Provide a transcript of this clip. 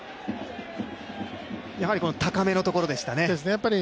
やはりこの高めのところでしたね。